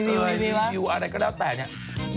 รอบรูปอะไรก็แล้วแต่นี้